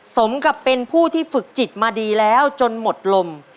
สมกับเป็นผู้ที่ฝึกจิตมาดีแล้วจนหมดลม